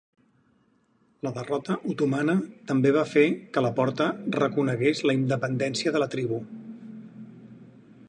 La derrota otomana també va fer que la Porta reconegués la independència de la tribu.